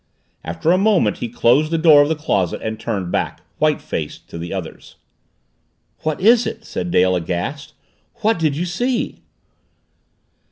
After a moment he closed the door of the closet and turned back, white faced, to the others. "What is it?" said Dale aghast. "What did you see?"